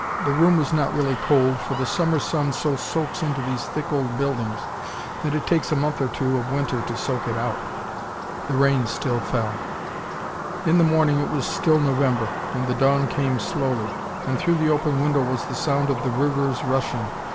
The room was not really cold, for the summer sun so soaks into these thick old buildings, that it takes a month or two of winter to soak it out. The rain still fell. In the morning it was still November, and the dawn came slowly. And through the open window was the sound of the river's rushing.